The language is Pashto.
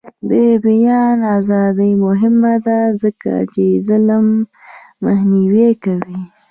د بیان ازادي مهمه ده ځکه چې ظلم مخنیوی کوي.